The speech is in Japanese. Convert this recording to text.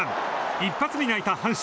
一発に泣いた阪神。